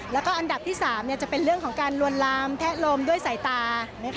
แล้วก็อันดับที่๓จะเป็นเรื่องของการลวนลามแพะลมด้วยสายตา